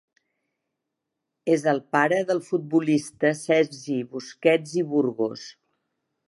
És el pare del futbolista Sergi Busquets i Burgos.